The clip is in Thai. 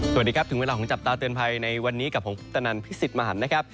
สวัสดีครับถึงเวลาของจับตาเตือนภัยในวันนี้กับผมฟิศิษฐ์มหันต์นะครับ